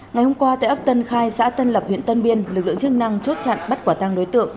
ngày hôm qua tại ấp tân khai xã tân lập huyện tân biên lực lượng chức năng chốt chặn bắt quả tăng đối tượng